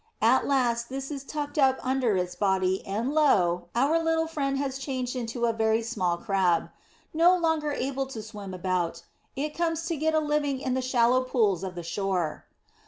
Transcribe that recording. At last this is tucked up under its body, and lo! our little friend has changed into a very small Crab. No longer able to swim about, it comes to get a living in the shallow pools of the shore.